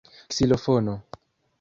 ksilofono